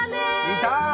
いた！